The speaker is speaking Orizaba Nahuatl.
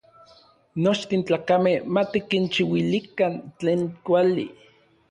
Nochtin tlakamej ma tikinchiuilikan tlen kuali.